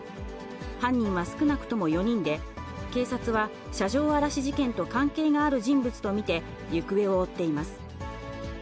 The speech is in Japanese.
犯人は少なくとも４人で、警察は、車上荒らし事件と関係がある人物と見て、行方を追っています。